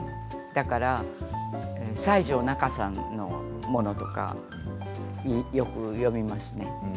西條奈加さんのものとかよく読みますね。